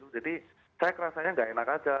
jadi saya rasanya nggak enak aja